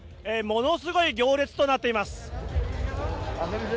ものすごい行列となっています。